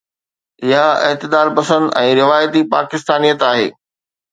اها اعتدال پسند ۽ روايتي پاڪستانيت آهي.